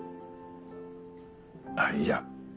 あっいや。